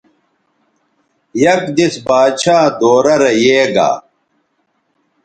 یک دیس باچھا دورہ رے یے گا